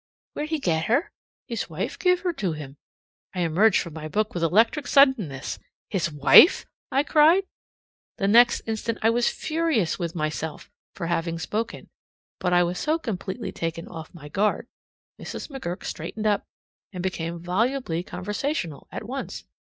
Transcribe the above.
"Where'd he get her?" "His wife give her to him." I emerged from my book with electric suddenness. "His wife!" I cried. The next instant I was furious with myself for having spoken, but I was so completely taken off my guard. Mrs. McGurk straightened up and became volubly conversational at once.